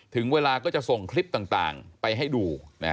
ถึงเวลาก็จะส่งคลิปต่างไปให้ดู